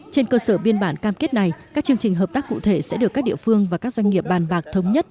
trên cơ sở biên bản cam kết này các chương trình hợp tác cụ thể sẽ được các địa phương và các doanh nghiệp bàn bạc thống nhất